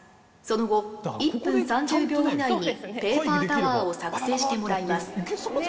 その後１分３０秒以内にペーパータワーを作製してもらいます。